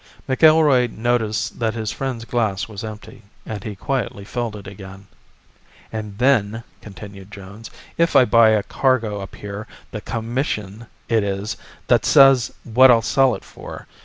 McIlroy noticed that his friend's glass was empty, and he quietly filled it again. "And then," continued Jones, "if I buy a cargo up here, the Commission it is that says what I'll sell it for.